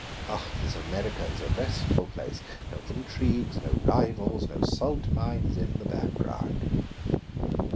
Ah, this America is a restful place! No intrigues, no rivals, no salt mines in the background."